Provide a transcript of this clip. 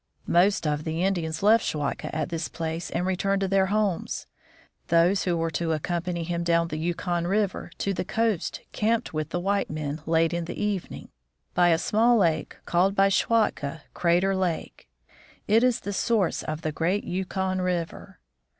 Most of the Indians left Schwatka at this place and returned to their homes. Those who were to accompany him down the Yukon river to the coast camped with the white men, late in the evening, by a small lake called by Schwatka, Crater lake. It is the source of the great Yukon river.